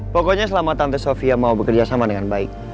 pokoknya selama tante sofia mau bekerja sama dengan baik